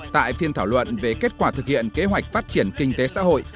tại phiên thảo luận về kết quả thực hiện kế hoạch phát triển kinh tế xã hội